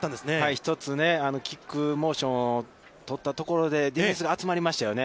１つね、キックモーションをとったところでディフェンスが集まりましたよね。